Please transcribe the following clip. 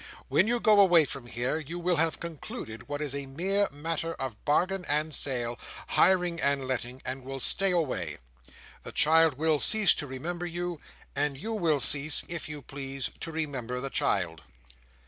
When you go away from here, you will have concluded what is a mere matter of bargain and sale, hiring and letting: and will stay away. The child will cease to remember you; and you will cease, if you please, to remember the child."